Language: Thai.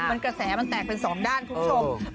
มันกระแสมันแตกเป็นสองด้านคุณผู้ชม